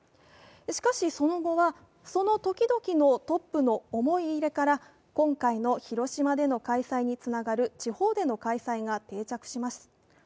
しかし、その後は、その時々のトップの思い入れから今回の広島での開催につながる地方での開催が定着します。